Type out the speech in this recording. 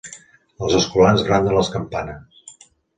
Els escolans branden les campanes.